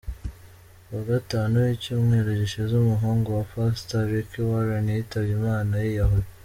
Ku wa gatanu w’icyumweru gishize umuhungu wa Pastor Rick Warren yitabye Imana yiyahuye.